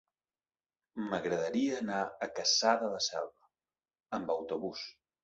M'agradaria anar a Cassà de la Selva amb autobús.